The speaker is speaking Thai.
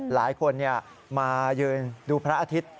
หลายคนมายืนดูพระอาทิตย์